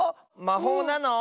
まほうなの？